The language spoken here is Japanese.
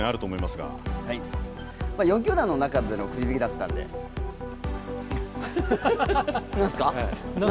はい、４球団の中でのくじ引きだったので何すか？